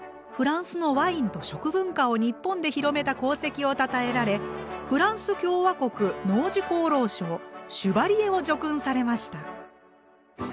フランスのワインと食文化を日本で広めた功績をたたえられフランス共和国農事功労賞シュバリエを叙勲されました。